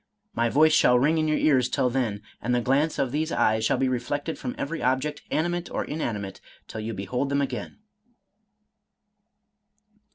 My voice shall ring in your ears till then, and the glance of these eyes shall be reflected from every object, animate or inanimate, till you behold them again."